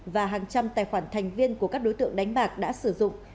và hàng trăm tài khoản thành viên của các đối tượng đánh bạc đã sử dụng